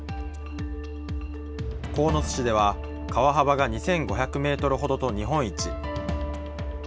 鴻巣市では川幅が２５００メートルほどと日本一。